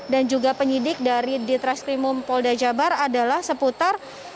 dan juga penyidik dari ditreskrimum polda jabar adalah seputar